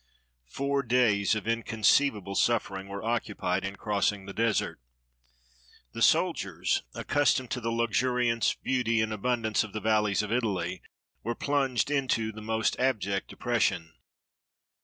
Four days of inconceiv able suffering were occupied in crossing the desert. The soldiers, accustomed to the luxuriance, beauty, and abundance of the valleys of Italy, were plunged into the most abject depression.